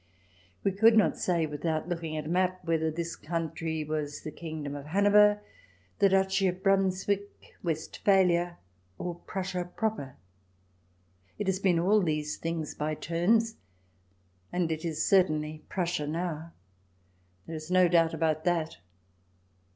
We could not say, without looking at a map, whether this country was the kingdom of Hanover, the duchy of Brunswick, Westphalia, or Prussia proper. It has been all these things by turns, and it is certainly Prussia now. There is no doubt about that.